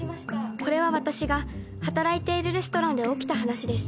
［これは私が働いているレストランで起きた話です］